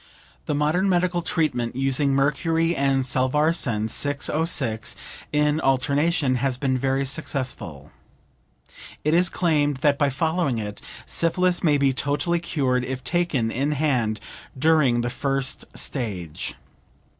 The modern medical treatment using mercury and Salvarsan (606) in alternation, has been very successful. It is claimed that by following it, syphilis may be totally cured if taken in hand during the first stage.